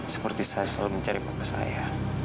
seperti saya selalu mencari bapak saya